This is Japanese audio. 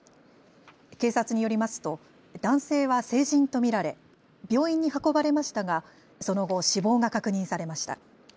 警察によりますと男性は成人と見られ病院に運ばれましたがその後、死亡が確認されました。